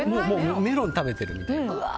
メロン食べてるみたいな。